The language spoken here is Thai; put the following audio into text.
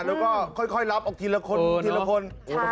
แล้วก็ค่อยรับออกทีละคน